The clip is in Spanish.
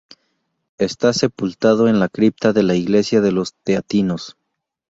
Está sepultado en la cripta de la Iglesia de los Teatinos.